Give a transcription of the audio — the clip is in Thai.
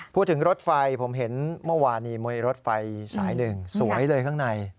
พูดถึงรถไฟผมเห็นเมื่อวานมีรถไฟสายหนึ่งสวยเลยข้างใน